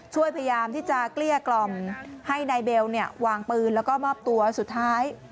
พยายามที่จะเกลี้ยกล่อมให้นายเบลเนี่ยวางปืนแล้วก็มอบตัวสุดท้าย